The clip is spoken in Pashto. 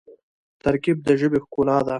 ترکیب د ژبي ښکلا ده.